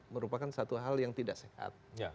merupakan satu hal yang tidak sehat